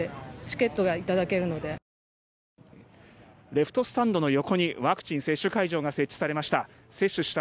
レフトスタンドの横にワクチン接種会場が設置されました。